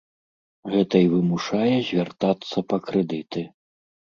Гэта і вымушае звяртацца па крэдыты.